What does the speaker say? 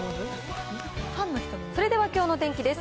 それではきょうの天気です。